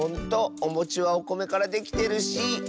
おもちはおこめからできてるし。